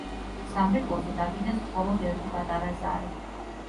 სამრეკლოზე დაკიდეს მხოლოდ ერთი პატარა ზარი.